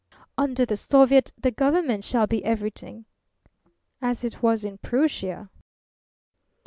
"Under the soviet the government shall be everything." "As it was in Prussia."